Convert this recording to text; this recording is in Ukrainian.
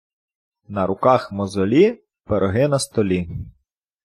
На руках мозолі — пироги на столі.